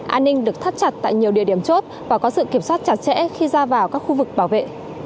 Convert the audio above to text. an ninh được thắt chặt tại nhiều địa điểm chốt và có sự kiểm soát chặt chẽ khi ra vào các khu vực bảo vệ